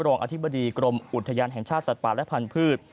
รองอธิบดีกรมอุทยานแห่งชาติสัตว์ป่าและพันธุ์